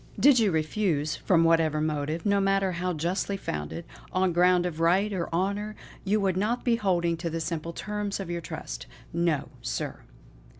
Did you refuse, from whatever motive, no matter how justly founded, on ground of right or honour, you would not be holding to the simple terms of your trust. No! sir.